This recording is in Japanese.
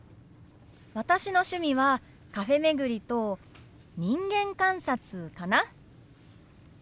私の趣味はカフェ巡りと人間観察かな。